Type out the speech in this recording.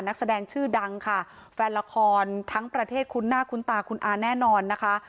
นักแสดงชื่อดังค่ะแฟนละครทั้งประเทศคุ้นหน้าคุ้นตาคุณอาแน่นอนนะคะ